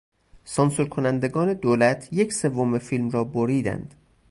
سانسور کنندگان دولت یک سوم فیلم را بریدند.